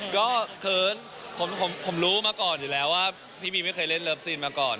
ก็คือผมรู้มาก่อนอยู่แล้วว่าพี่บีไม่เคยเล่นเลิฟซีนมาก่อน